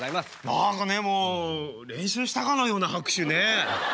何かねもう練習したかのような拍手ね。